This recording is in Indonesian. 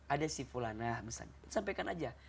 ada si fulan nah misalnya sampaikan aja